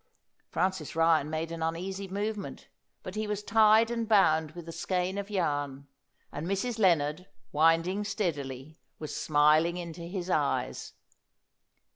Francis Ryan made an uneasy movement, but he was tied and bound with the skein of yarn; and Mrs. Lennard, winding steadily, was smiling into his eyes.